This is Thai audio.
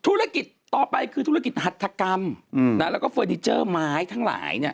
ธุรกิจต่อไปคือธุรกิจหัฐกรรมแล้วก็เฟอร์นิเจอร์ไม้ทั้งหลาย